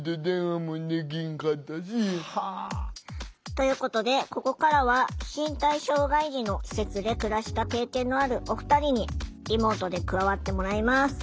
ということでここからは身体障害児の施設で暮らした経験のあるお二人にリモートで加わってもらいます。